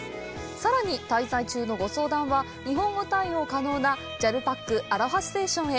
さらに滞在中のご相談は、日本語対応可能な「ＪＡＬＰＡＫアロハステーション」へ。